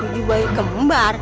tujuh bayi kembar